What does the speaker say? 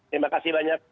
terima kasih banyak